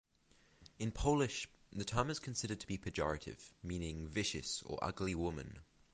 In Polish, the term is considered to be pejorative, meaning 'vicious or ugly woman'.